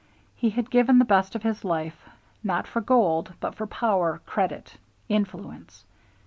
He had given the best of his life, not for gold, but for power, credit, influence.